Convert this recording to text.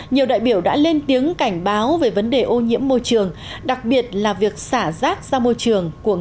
nhiều đại biểu đã lên tiếng cảnh báo về vấn đề ô nhiễm môi trường đặc biệt là việc xả rác ra môi trường của người